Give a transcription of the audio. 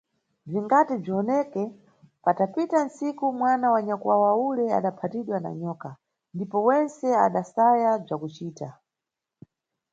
Bzingati bziwoneke, patapita ntsiku, mwana wa nyakwawa ule adaphatidwa na nyoka, ndipo wentse adasaya bzakucita.